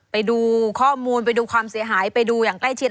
ไปดูข้อมูลไปดูความเสียหายไปดูอย่างใกล้ชิด